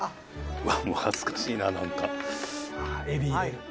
うわあもう恥ずかしいななんか。